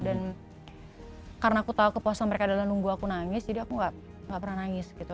dan karena aku tahu kepuasan mereka adalah nunggu aku nangis jadi aku gak pernah nangis gitu